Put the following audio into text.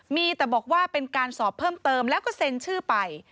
มีแต่บอกว่าเป็นการสอบเพิ่มเติมแล้วก็เซ็นชื่อไป